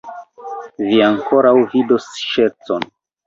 Vi ankoraŭ vidos ŝercon!